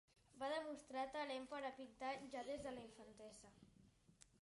Va demostrar talent per a pintar ja des de la infantesa.